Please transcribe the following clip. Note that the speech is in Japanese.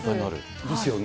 ですよね。